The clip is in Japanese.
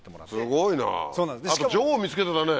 すごいなあと女王見つけてたね！